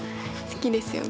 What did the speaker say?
好きですよ。